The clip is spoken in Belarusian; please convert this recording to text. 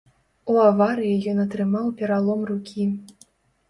У аварыі ён атрымаў пералом рукі.